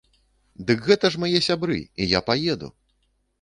Дык гэта ж мае сябры, і я паеду!